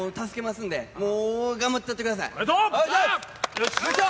よいしょ！